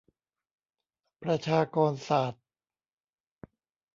ประชากรศาสตร์